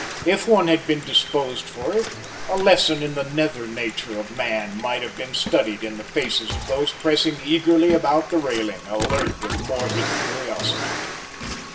If one had been disposed for it, a lesson in the nether nature of man might have been studied in the faces of those pressing eagerly about the railing, alert with morbid curiosity.